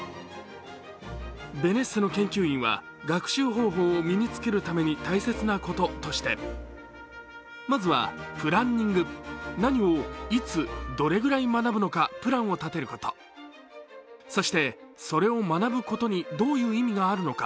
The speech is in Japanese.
ベネッセの研究員は学習方法を身に付けるために大切なこととしてまずはプランニング、何をいつどれくらい学ぶのかプランを立てること、そして、それを学ぶことにどういう意味があるのか。